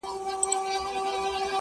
• نو دا په ما باندي چا كوډي كړي؛